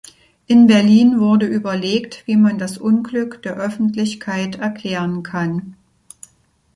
In Berlin wurde überlegt, wie man das Unglück der Öffentlichkeit erklären kann.